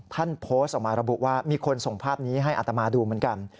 ท่านโพสต์ออกมาระบุว่ามีคนส่งภาพนี้ให้อัตมาดูเหมือนกัน